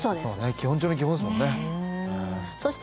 基本中の基本ですもんね。